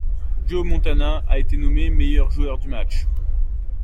Joe Montana a été nommé meilleur joueur du match.